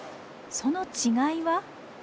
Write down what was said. その違いは？